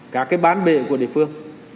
cả cái bán bệnh của địa phương